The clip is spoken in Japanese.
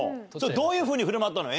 どういうふうに振る舞ったの？